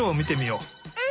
うん！